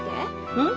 うん？